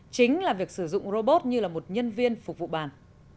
chính là việc sử dụng robot như là một nhân viên phục vụ bàn